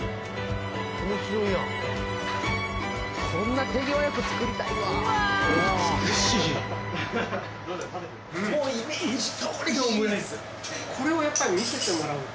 こんな手際よく作りたいわうわ！